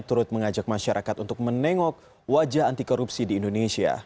turut mengajak masyarakat untuk menengok wajah antikorupsi di indonesia